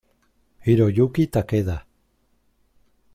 Hiroyuki Takeda